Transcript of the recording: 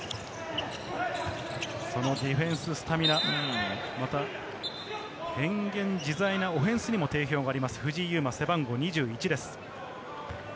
そのディフェンス、スタミナ、変幻自在なオフェンスにも定評があります、藤井祐眞・背番号２１です。